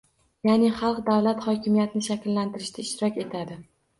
Ya'ni, xalq davlat hokimiyatini shakllantirishda ishtirok etadi